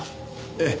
ええ。